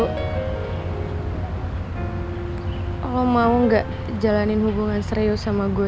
kalo lo mau gak jalanin hubungan serius sama gue